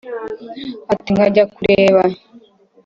ati "nkajya kureba,